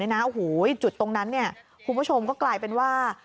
โอ้โหจุดตรงนั้นคุณผู้ชมก็กลายเป็นว่า